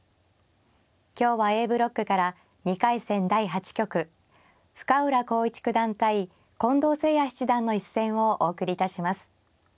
今日はＡブロックから２回戦第８局深浦康市九段対近藤誠也七段の一戦をお送りいたします。